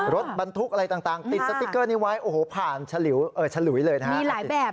รถบรรทุกอะไรต่างติดสติ๊กเกอร์นี้ไว้โอ้โหผ่านฉลุยเลยนะฮะมีหลายแบบ